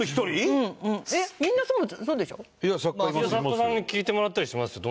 作家さんに聞いてもらったりしますよ。